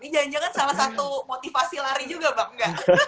jangan jangan salah satu motivasi lari juga bang